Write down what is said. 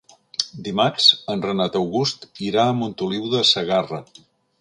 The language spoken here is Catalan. Dimarts en Renat August irà a Montoliu de Segarra.